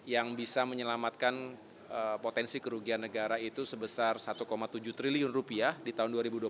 yang bisa menyelamatkan potensi kerugian negara itu sebesar satu tujuh triliun rupiah di tahun dua ribu dua puluh satu